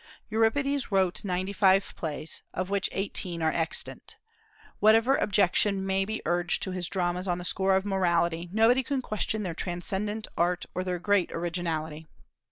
Euripides wrote ninety five plays, of which eighteen are extant. Whatever objection may be urged to his dramas on the score of morality, nobody can question their transcendent art or their great originality.